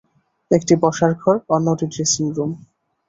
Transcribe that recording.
একটি বসার ঘর, অন্যটি ড্রেসিং রুম।